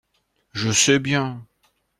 Je sais bien.